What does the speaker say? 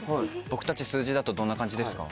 僕たち数字だとどんな感じですか？